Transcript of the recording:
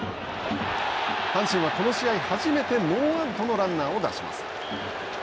阪神はこの試合初めてノーアウトのランナーを出します。